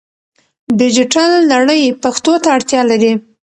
ډیجیټل نړۍ پښتو ته اړتیا لري.